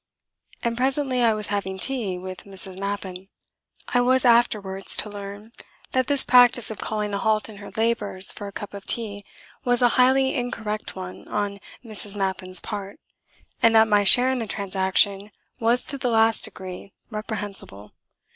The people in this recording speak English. And presently I was having tea with Mrs. Mappin. I was afterwards to learn that this practice of calling a halt in her labours for a cup of tea was a highly incorrect one on Mrs. Mappin's part, and that my share in the transaction was to the last degree reprehensible.